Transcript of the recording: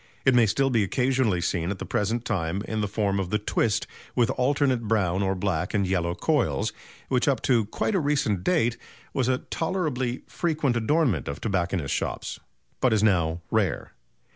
It may still be occasionally seen at the present time in the form of the "twist" with alternate brown or black and yellow coils, which up to quite a recent date was a tolerably frequent adornment of tobacconists' shops, but is now rare.